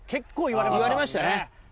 言われましたね。